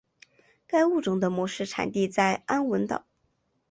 该物种的模式产地在安汶岛。